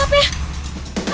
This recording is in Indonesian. malin jangan lupa